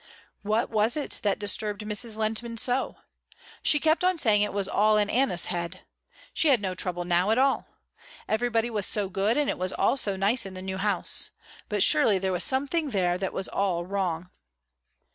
What was it that disturbed Mrs. Lehntman so? She kept on saying it was all in Anna's head. She had no trouble now at all. Everybody was so good and it was all so nice in the new house. But surely there was something here that was all wrong.